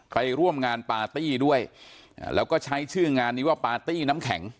ไปร่วมงานปาร์ตี้ด้วยแล้วก็ใช้ชื่องานนี้ว่าปาร์ตี้น้ำแข็ง